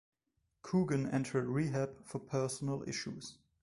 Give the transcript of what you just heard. Coogan entered rehab for personal issues.